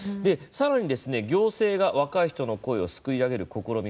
さらにですね、行政が若い人の声をすくい上げる試み